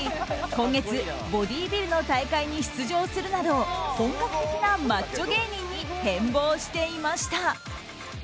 今月、ボディービルの大会に出場するなど本格的なマッチョ芸人に変貌していました。